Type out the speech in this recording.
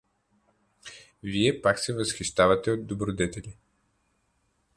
Вие пак се възхищавате от добродетели!